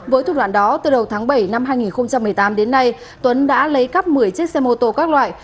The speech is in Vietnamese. với thủ đoạn đó từ đầu tháng bảy năm hai nghìn một mươi tám đến nay tuấn đã lấy cắp một mươi chiếc xe mô tô các loại